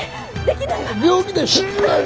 できないわ。